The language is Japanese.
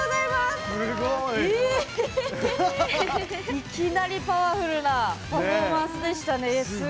いきなりパワフルなパフォーマンスでしたね。